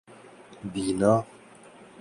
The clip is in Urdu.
بینا